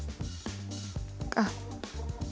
あっ。